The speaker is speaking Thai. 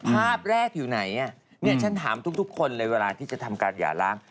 ภาพแรกอยู่ไหนเนี่ยฉันถามทุกคนเลยเวลาที่จะทำการหย่าล้าง